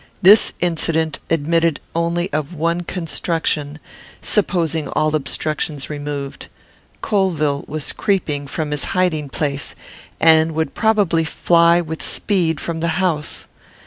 This incident admitted only of one construction, supposing all obstructions removed. Colvill was creeping from his hiding place, and would probably fly with speed from the house.